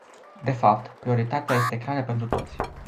De fapt, prioritatea este clară pentru toți.